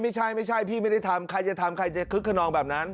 ไม่ใช่ไม่ใช่พี่ไม่ได้ทำใครจะทำใครจะคึกขนองแบบนั้น